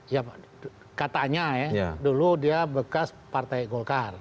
ya pak katanya ya dulu dia bekas partai golkar